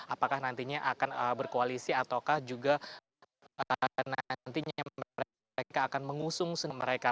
apakah nantinya akan berkoalisi ataukah juga nantinya mereka akan mengusung mereka